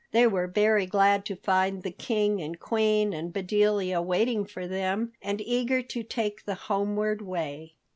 They were very glad to find the King and Queen and Bedelia waiting for them and eager to take the homeward way.